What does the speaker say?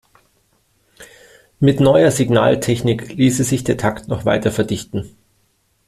Mit neuer Signaltechnik ließe sich der Takt noch weiter verdichten.